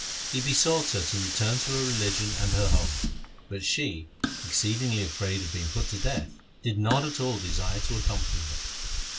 He besought her to return to her religion and her home, but she, exceedingly afraid of being put to death, did not at all desire to accompany him.